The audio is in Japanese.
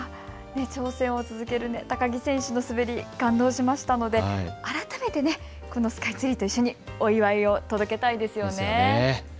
挑戦を続ける高木選手の滑り、感動しましたので改めてこのスカイツリーと一緒にお祝いを届けたいですよね。